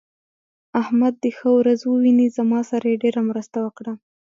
احمد دې ښه ورځ وويني؛ زما سره يې ډېره مرسته وکړه.